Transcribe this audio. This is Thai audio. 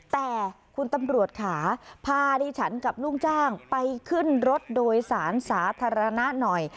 แต่คุณตำรวจค่ะพาดิฉันกับลูกจ้างไปขึ้นรถโดยสารสาธารณะหน่อย